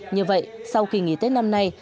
như vậy sau kỳ nghỉ tết năm nay